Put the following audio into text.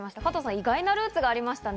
意外なルーツがありましたね。